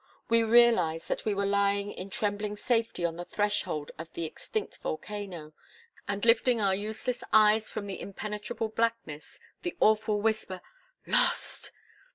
We realized that we were lying in trembling safety on the threshold of the extinct volcano, and lifting our useless eyes from the impenetrable blackness, the awful whisper 'Lost!